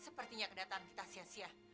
sepertinya kedatangan vita sia sia